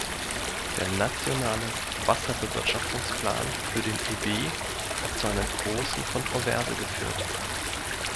Der nationale Wasserbewirtschaftungsplan für den Ebhat zu einer großen Kontroverse geführt.